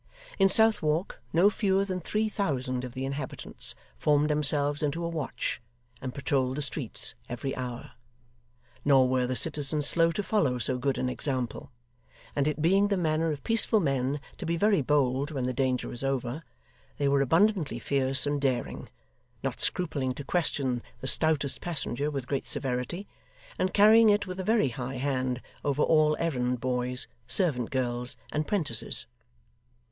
In Southwark, no fewer than three thousand of the inhabitants formed themselves into a watch, and patrolled the streets every hour. Nor were the citizens slow to follow so good an example: and it being the manner of peaceful men to be very bold when the danger is over, they were abundantly fierce and daring; not scrupling to question the stoutest passenger with great severity, and carrying it with a very high hand over all errand boys, servant girls, and 'prentices.